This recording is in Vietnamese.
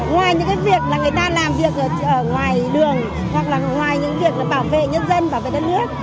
ngoài những cái việc là người ta làm việc ở ngoài đường hoặc là ngoài những việc bảo vệ nhân dân bảo vệ đất nước